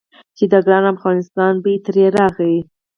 چې د ګران افغانستان بوی ترې راغی.